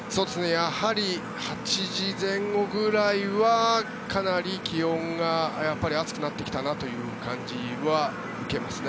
やはり８時前後ぐらいはかなり気温が暑くなってきたなという感じは受けますね。